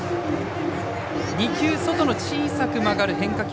２球、外の小さく曲がる変化球。